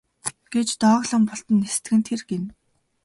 гэж дооглон бултан нисдэг нь тэр гэнэ.